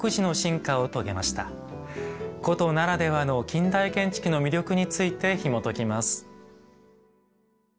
古都ならではの近代建築の魅力についてひもときます。